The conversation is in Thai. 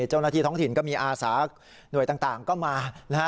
เจ้าหน้าที่ท้องถิ่นก็มีอาสาหน่วยต่างก็มานะฮะ